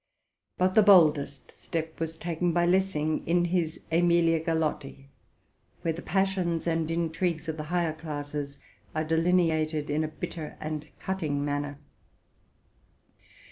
But the boldest step was taken by Lessing, in his '* Emilia Galotti,'? where the passions and intrigues of the higher classes are delineated in a bitter and cutting man ner.